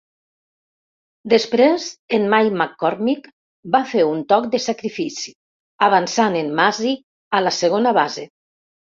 Després en Mike McCormick va fer un toc de sacrifici, avançant en Masi a la segona base.